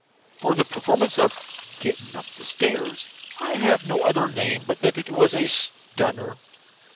For the performance of the 'Gettin' up Stairs,' I have no other name but that it was a STUNNER.